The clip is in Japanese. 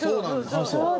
そうそう。